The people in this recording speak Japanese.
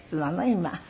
今。